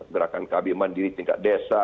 gerakan kb mandiri tingkat desa